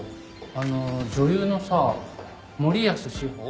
あの女優のさ森安志帆